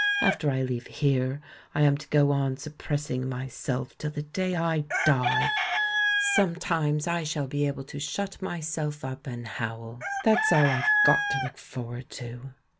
After I leave here I am to go on suppressing myself till the day I die! Sometimes I shall be able to shut myself up and howl — that's all I've got to look forward to."